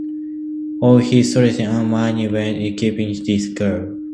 All his strength and money went in keeping this girl.